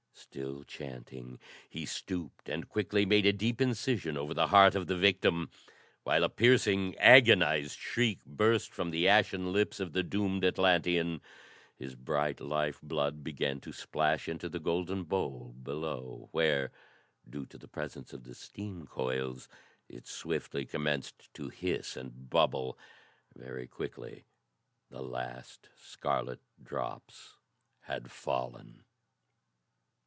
Still chanting, he stooped and quickly made a deep incision over the heart of the victim. While a piercing, agonized shriek burst from the ashen lips of the doomed Atlantean, his bright life blood began to splash into the golden bowl below where, due to the presence of the steam coils, it swiftly commenced to hiss and bubble. Very quickly the last scarlet drops had fallen.